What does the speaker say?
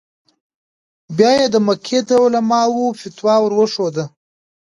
بیا یې د مکې د علماوو فتوا ور وښوده.